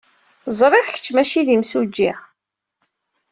Ẓriɣ kečč maci d imsujji.